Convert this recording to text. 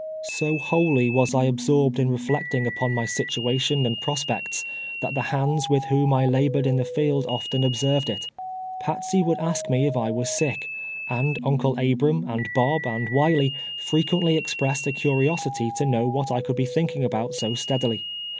So wholly was I absorbed in reflecting upon my sit uation and prospects, that the hands w^itli whom I la bored in the field often obseryed it. Patsey would ask me if I was sick, and Uncle Abram, and Bob, and "Wiley frequently expressed a curiosity to know what I ciiuld be thiidcing about so steadily.